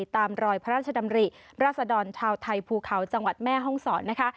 ตามรอยพระราชดำริราษดรชาวไทยภูเขาจังหวัดแม่ห้องศรนะคะ